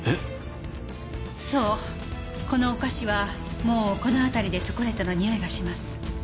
このお菓子はもうこの辺りでチョコレートのにおいがします。